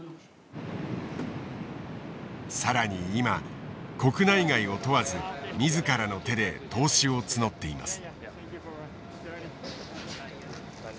更に今国内外を問わず自らの手で投資を募っています。